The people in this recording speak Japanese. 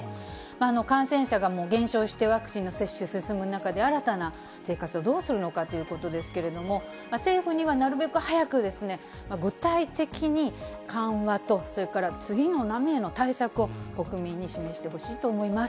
感染者が減少して、ワクチンの接種進む中で、新たな生活をどうするのかということですけれども、政府にはなるべく早く、具体的に緩和とそれから次の波への対策を国民に示してほしいと思います。